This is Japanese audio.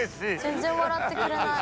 全然笑ってくれない。